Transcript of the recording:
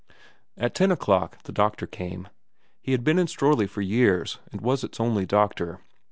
At ten o'clock the doctor came. He had been in xxvm VERA 317 Strorley for years, and was its only doctor.